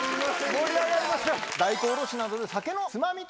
盛り上がりました。